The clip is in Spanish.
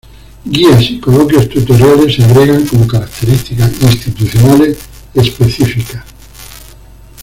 Guías y coloquios tutoriales se agregan como características institucionales específicas.